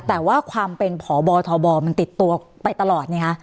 แต่ว่าความเป็นพบทบมันติดตัวไปตลอดไงคะ